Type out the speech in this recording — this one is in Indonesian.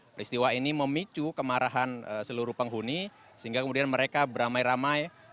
peristiwa ini memicu kemarahan seluruh penghuni sehingga kemudian mereka beramai ramai